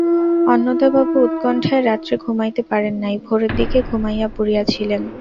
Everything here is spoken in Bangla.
অন্নদাবাবু উৎকন্ঠায় রাত্রে ঘুমাইতে পারেন নাই, ভোরের দিকে ঘুমাইয়া পড়িয়াছিলেন।